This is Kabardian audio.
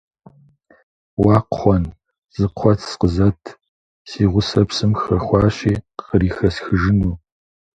Уа Кхъуэн, зы кхъуэц къызэт, си гъусэр псым хэхуащи кърихэсхыжыну.